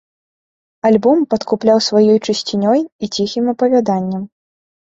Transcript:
Альбом падкупляў сваёй чысцінёй і ціхім апавяданнем.